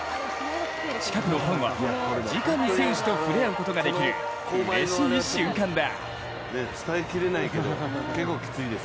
近くのファンは、じかに選手と触れ合うことができるうれしい瞬間だ。